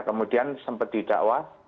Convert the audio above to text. kemudian sempat didakwa